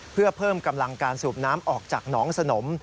เพื่อเพิ่มกำลังการสูบน้ำออกจากหนองสนม